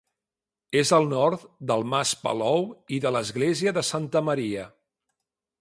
És al nord del Mas Palou i de l'església de Santa Maria.